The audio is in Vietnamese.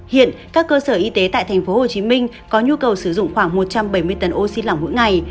hiện các cơ sở y tế tại tp hcm có nhu cầu sử dụng khoảng một trăm bảy mươi tấn oxy lỏng mỗi ngày